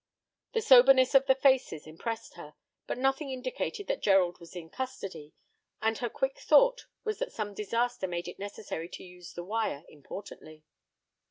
The soberness of the faces impressed her, but nothing indicated that Gerald was in custody, and her quick thought was that some disaster made it necessary to use the wire importantly.